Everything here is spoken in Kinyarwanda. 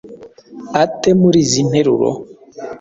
ate muri izi nteruro?